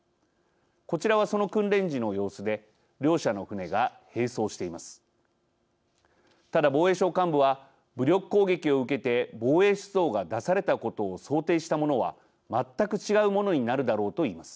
こちらは、その訓練時の様子で両者の船が並走しています。